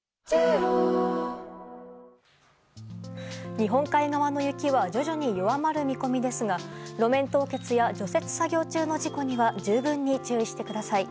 日本海側の雪は徐々に弱まる見込みですが路面凍結や除雪作業中の事故には十分に注意してください。